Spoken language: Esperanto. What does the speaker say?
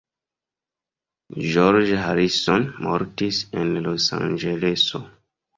George Harrison mortis en Losanĝeleso.